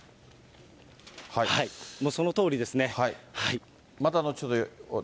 そのとおりですね。